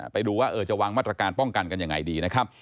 ไปดูว่าจะวางมาตรการป้องกันกันยังไงดีนะครับ